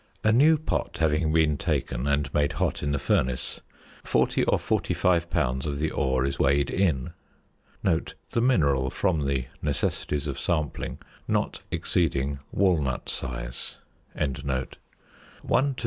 A new pot having been taken and made hot in the furnace, 40 or 45 lbs. of the ore is weighed in (the mineral from the necessities of sampling not exceeding walnut size); 1 to 3 lbs.